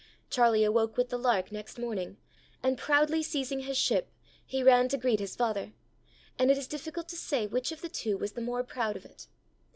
Charlie awoke with the lark next morning, and, proudly seizing his ship, he ran to greet his father; and it is difficult to say which of the two was the more proud of it.